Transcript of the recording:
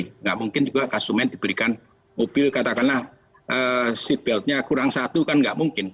enggak mungkin juga customer diberikan mobil katakanlah seatbelt nya kurang satu kan enggak mungkin